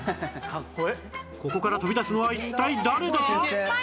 ここから飛び出すのは一体誰だ？